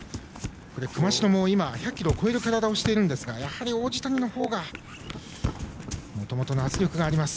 熊代も今、１００ｋｇを超える体をしているんですがやはり王子谷のほうがもともとの圧力があります。